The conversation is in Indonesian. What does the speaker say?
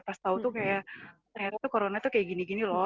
pada saat panik ya pas tahu tuh kayak ternyata corona tuh kayak gini gini loh